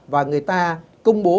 và người ta công bố